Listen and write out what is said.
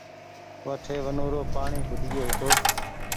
وٺي ونورو پآڻيٚ کٽگيو هيتو